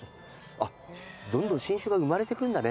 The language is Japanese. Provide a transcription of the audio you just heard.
あっどんどん新種が生まれてくんだね。